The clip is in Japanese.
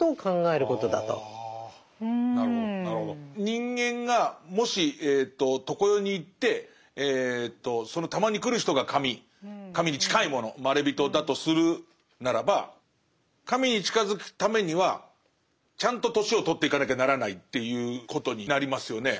人間がもし常世に行ってそのたまに来る人が神神に近いものまれびとだとするならば神に近づくためにはちゃんと年を取っていかなきゃならないっていうことになりますよね。